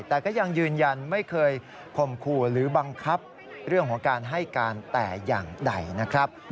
แต่ก็ยังยืนยันไม่เคยข่มขู่หรือบังคับเรื่องของการให้การแต่อย่างใดนะครับ